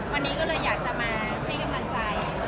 วันนี้ก็เลยอยากจะมาให้กำลังใจ